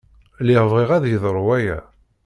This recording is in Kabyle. Lliɣ bɣiɣ ad yeḍru waya.